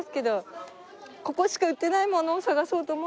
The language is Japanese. ここしか売ってないものを探そうと。